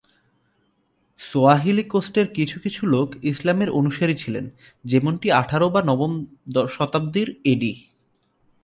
Swahili কোস্টের কিছু কিছু লোক ইসলামের অনুসারী ছিলেন, যেমনটি আঠারো বা নবম শতাব্দীর এডি।